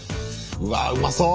うわうまそう！